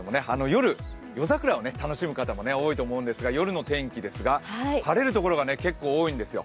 夜、夜桜を楽しむ方も多いと思うんですが夜の天気ですが、晴れるところが結構多いんですよ。